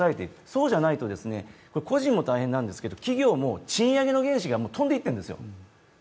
そうじゃないと、個人も大変なんですけど企業も賃上げの原資が飛んでいってるんですよ